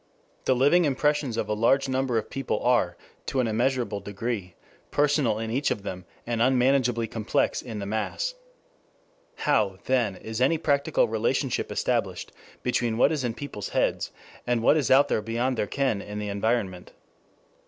The living impressions of a large number of people are to an immeasurable degree personal in each of them, and unmanageably complex in the mass. How, then, is any practical relationship established between what is in people's heads and what is out there beyond their ken in the environment?